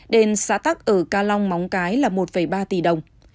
đền xã tắc ở ca long móng cái là một ba tỷ đồng